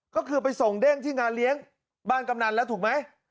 ก็คือไปส่งเด้งที่งานเลี้ยงบ้านกำนันแล้วถูกไหม